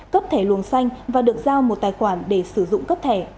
cấp thẻ luồng xanh và được giao một tài khoản để sử dụng cấp thẻ